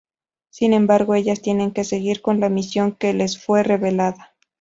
Sin embargo, ellas tienen que seguir con la misión que les fue revelada.